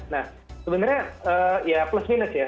nah sebenarnya ya plus minus ya